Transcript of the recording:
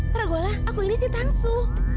pragola aku ini si tangsu